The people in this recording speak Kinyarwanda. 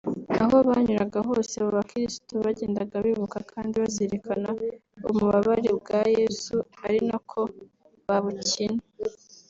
Aho banyuraga hose abo bakirisitu bagendaga bibuka kandi bazirikana umubabare bwa Yezu ari nako babukina